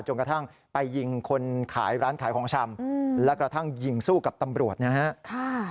กระทั่งไปยิงคนขายร้านขายของชำและกระทั่งยิงสู้กับตำรวจนะฮะ